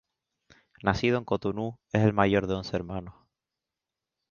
Nacido en Cotonú, es el mayor de once hermanos.